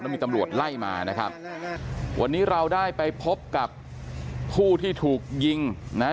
มีตำรวจไล่มานะครับวันนี้เราได้ไปพบกับผู้ที่ถูกยิงนะฮะ